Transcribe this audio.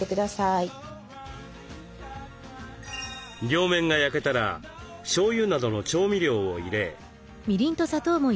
両面が焼けたらしょうゆなどの調味料を入れ。